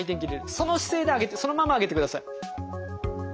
その姿勢で上げてそのまま上げてください。